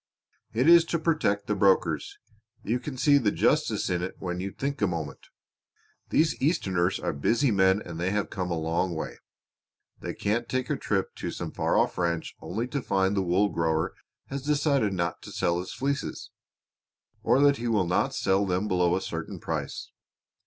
"It is to protect the brokers. You can see the justice in it when you think a moment. These Easterners are busy men and they come a long way. They can't take a trip to some far off ranch only to find the wool grower has decided not to sell his fleeces; or that he will not sell them below a certain price.